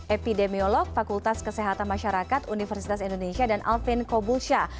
epidemiolog fakultas kesehatan masyarakat universitas indonesia dan alvin kobusha